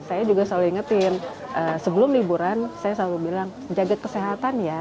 saya juga selalu ingetin sebelum liburan saya selalu bilang jaga kesehatan ya